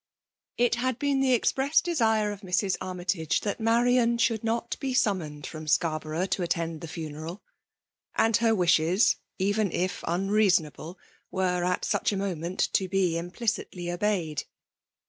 It had been the express desire of Mr$. ArmyisLge, that Marian should not be snm* moned from Scarborough to attend the funeral ; and her wishes, even if unreasonable, were at such a moment to be implicitly obeyed.